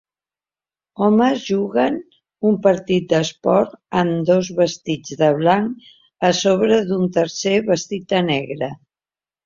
Homes juguen un partit d'esport amb dos vestits de blanc a sobre d'un tercer vestit de negre.